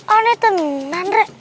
aneh tenang rek